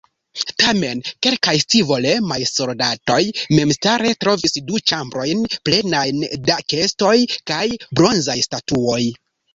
Tamen kelkaj scivolemaj soldatoj memstare trovis du ĉambrojn plenajn da kestoj kaj bronzaj statuoj.